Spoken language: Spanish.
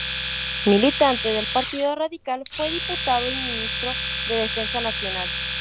Militante del Partido Radical, fue diputado y ministro de Defensa Nacional.